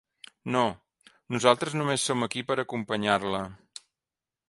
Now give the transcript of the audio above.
No, nosaltres només som aquí per acompanyar-la.